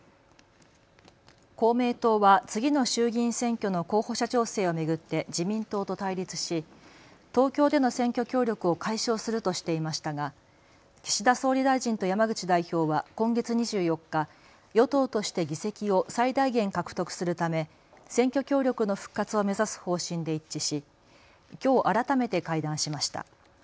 公明党は次の衆議院選挙の候補者調整を巡って自民党と対立し東京での選挙協力を解消するとしていましたが岸田総理大臣と山口代表は今月２４日、与党として議席を最大限獲得するため選挙協力の復活を目指す方針で一致しきょう、改めて会談しました。